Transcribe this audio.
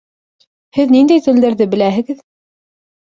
Һеҙ ниндәй телдәрҙе беләһегеҙ?